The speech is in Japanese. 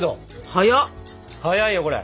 早いよこれ！